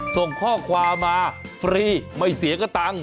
ส่งข้อความมาฟรีไม่เสียกระตังค์